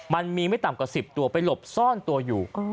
ไม่ต่ำกว่า๑๐ตัวไปหลบซ่อนตัวอยู่